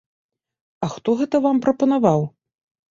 А хто гэта вам прапанаваў?